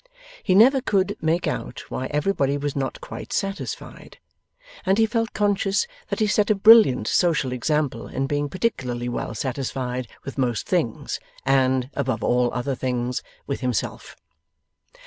He never could make out why everybody was not quite satisfied, and he felt conscious that he set a brilliant social example in being particularly well satisfied with most things, and, above all other things, with himself.